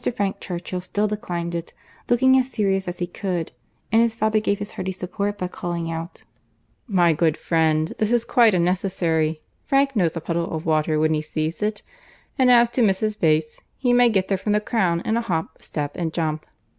Frank Churchill still declined it, looking as serious as he could, and his father gave his hearty support by calling out, "My good friend, this is quite unnecessary; Frank knows a puddle of water when he sees it, and as to Mrs. Bates's, he may get there from the Crown in a hop, step, and jump."